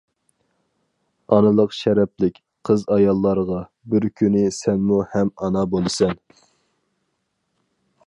ئانىلىق شەرەپلىك قىز-ئاياللارغا، بىر كۈنى سەنمۇ ھەم ئانا بولىسەن.